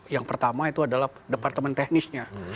yang pertama itu adalah departemen teknisnya